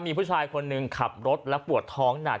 มีผู้ชายคนหนึ่งขับรถและปวดท้องหนัก